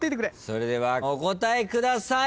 それではお答えください。